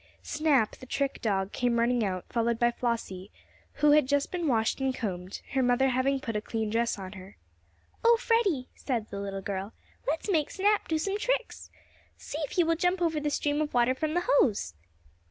Snap, the trick dog came running out, followed by Flossie, who had just been washed and combed, her mother having put a clean dress on her. "Oh, Freddie," said the little girl, "let's make Snap do some tricks. See if he will jump over the stream of water from the hose."